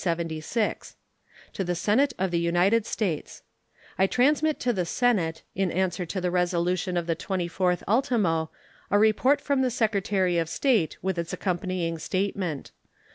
To the Senate of the United States: I transmit to the Senate, in answer to its resolution of the 24th ultimo, a report from the Secretary of State, with its accompanying statement. U.S. GRANT.